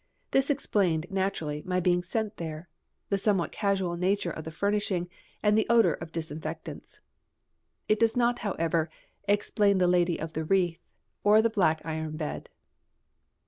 This explained, naturally, my being sent there, the somewhat casual nature of the furnishing and the odour of disinfectants. It does not, however, explain the lady of the wreath or the black iron bed.